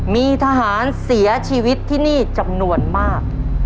มีทหารเสียชีวิตที่นี่จำนวนมาก